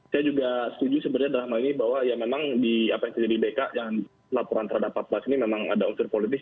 saya juga setuju sebenarnya dalam hal ini bahwa ya memang di apa yang terjadi di bk yang laporan terhadap pak pras ini memang ada unsur politis